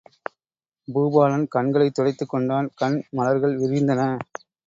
பூபாலன் கண்களைத் துடைத்துக் கொண்டான் கண் மலர்கள் விரிந்தன.